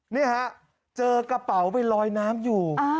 นี่ฮะเจอกระเป๋าไปลอยน้ำอยู่